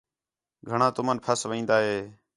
گھݨاں تُمن پَھس وین٘دا ہِے